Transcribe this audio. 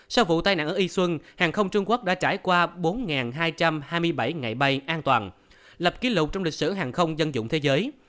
sau vụ tai nạn ở y xuân hàng không trung quốc đã trải qua bốn hai trăm hai mươi bảy ngày bay an toàn lập kỷ lục trong lịch sử hàng không dân dụng thế giới